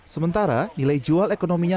sementara nilai jual ekonominya